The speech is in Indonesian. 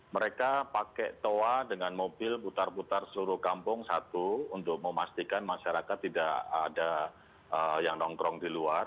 mereka pakai toa dengan mobil putar putar seluruh kampung satu untuk memastikan masyarakat tidak ada yang nongkrong di luar